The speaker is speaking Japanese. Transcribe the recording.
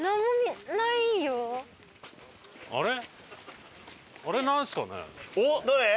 あれ？